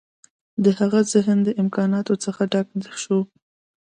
د هغه ذهن د امکاناتو څخه ډک شو